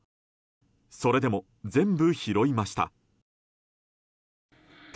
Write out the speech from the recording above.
それでも、全部拾いました。